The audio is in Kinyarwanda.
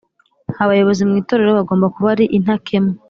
Abayobozi mw itorero bagomba kuba ari intakemwa